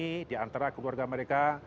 jadi kita harus menghargai mereka